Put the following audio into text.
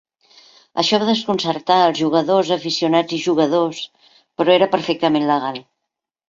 Això va desconcertar els jugadors, aficionats i jugadors, però era perfectament legal.